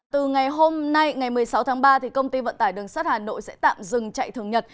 từ ngày hôm nay ngày một mươi sáu tháng ba công ty vận tải đường sắt hà nội sẽ tạm dừng chạy thường nhật